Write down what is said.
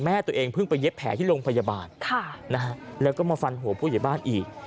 ตัวเองเพิ่งไปเย็บแผลที่โรงพยาบาลแล้วก็มาฟันหัวผู้ใหญ่บ้านอีก